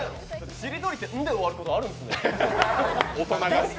しりとりって「ん」で終わることあるんですね。